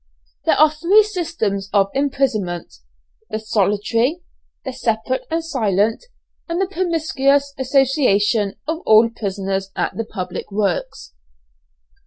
There are three systems of imprisonment: the solitary, the separate and silent, and the promiscuous association of all prisoners at the public works.